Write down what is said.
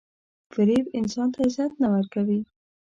• فریب انسان ته عزت نه ورکوي.